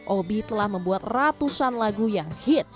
obi telah membuat ratusan lagu yang hit